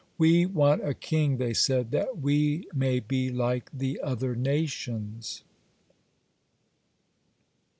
"We want a king," they said, "that we may be like the other nations."